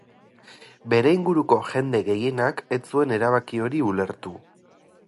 Bere inguruko jende gehienak ez zuen erabaki hori ulertu.